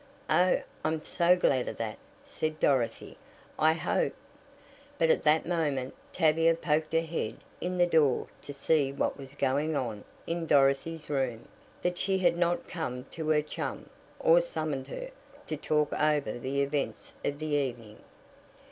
"Oh, I'm so glad of that," said Dorothy. "I hope " But at that moment Tavia poked her head in the door to see what was going on in Dorothy's room, that she had not come to her chum, or summoned her, to talk over the events of the evening.